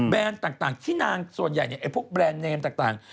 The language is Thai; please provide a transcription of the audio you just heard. แบรนด์ต่างที่นางส่วนใหญ่เนี่ยพวกแบรนด์เนมต่าง